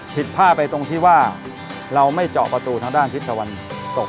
ผิดพลาดไปตรงที่ว่าเราไม่เจาะประตูทางด้านทิศตะวันตก